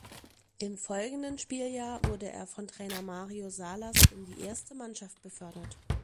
Im folgenden Spieljahr wurde er von Trainer Mario Salas in die erste Mannschaft befördert.